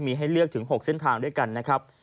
มีให้เลือกถึง๖เส้นทางด้วยกันนะครับ